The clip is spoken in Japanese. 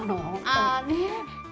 ああねえ！